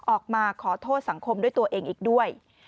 ออกมาขอโทษสังคมด้วยตัวเองอีกด้วย